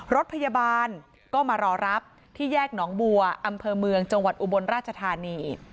รถพยาบาลก็มารอรับที่แยกหนองบัวอำเภอเมืองจังหวัดอุบลราชธานี